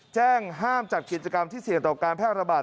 แจ้งห้ามจัดกิจกรรมที่เสี่ยงต่อการแพร่ระบาด